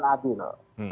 dia harus diperlakukan adil